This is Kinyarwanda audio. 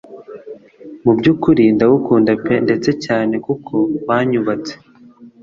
mu byukuri ndagukunda pe ndetse cyane kuko wanyubatse